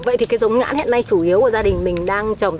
vậy thì cái giống nhãn hiện nay chủ yếu của gia đình mình đang trồng